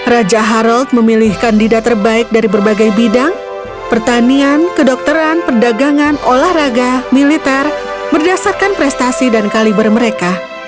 raja harald memilih kandidat terbaik dari berbagai bidang pertanian kedokteran perdagangan olahraga militer berdasarkan prestasi dan kaliber mereka